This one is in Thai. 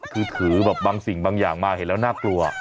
คือถือแบบบางสิ่งบางอย่างมาเห็นแล้วน่ากลัว